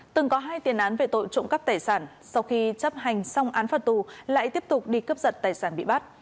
từng có hai tiền án về tội trộm cắp tài sản sau khi chấp hành xong án phạt tù lại tiếp tục đi cướp giật tài sản bị bắt